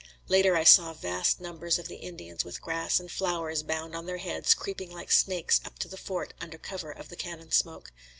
Later I saw vast numbers of the Indians with grass and flowers bound on their heads creeping like snakes up to the fort under cover of the cannon smoke.